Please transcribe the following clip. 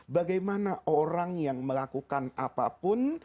bagaimana orang yang melakukan apapun